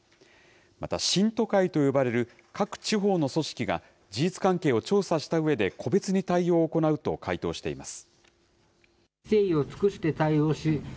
また、信徒会と呼ばれる各地方の組織が事実関係を調査したうえで個別に対応を行うと回答しています。